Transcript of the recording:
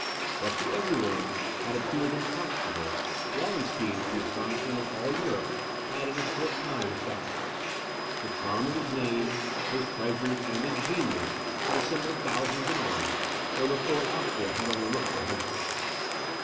What to every one had appeared impracticable, Wallenstein, to the astonishment of all Europe, had in a short time effected. The charm of his name, his treasures, and his genius, had assembled thousands in arms, where before Austria had only looked for hundreds.